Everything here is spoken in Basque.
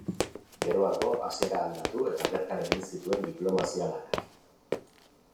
Geroago Asiara aldatu eta bertan egin zituen diplomazia-lanak.